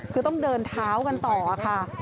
คือต้องเดินเท้ากันต่อค่ะ